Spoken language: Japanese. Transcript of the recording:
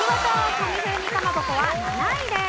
カニ風味かまぼこは７位です。